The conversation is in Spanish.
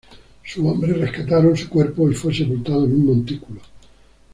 Sus hombres rescataron su cuerpo y fue sepultado en un montículo.